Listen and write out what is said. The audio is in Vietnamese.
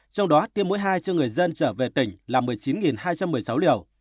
trong đó tiêm mỗi hai cho người dân trở về tỉnh là một mươi chín hai trăm một mươi sáu liều